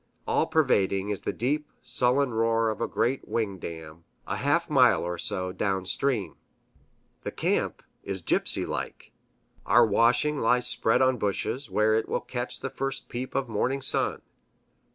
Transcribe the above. All pervading is the deep, sullen roar of a great wing dam, a half mile or so down stream. The camp is gypsy like. Our washing lies spread on bushes, where it will catch the first peep of morning sun.